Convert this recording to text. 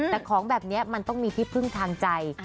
แต่ของแบบนี้มันต้องมีที่พึ่งทางใจ